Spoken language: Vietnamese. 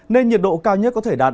nên nhiệt độ cao nhất có thể đạt